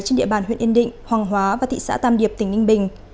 trên địa bàn huyện yên định hoàng hóa và thị xã tam điệp tỉnh ninh bình